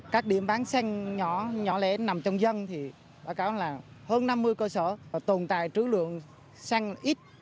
các điểm bán xăng nhỏ nhỏ lẻ nằm trong dân thì báo cáo là hơn năm mươi cơ sở tồn tại trứ lượng xăng ít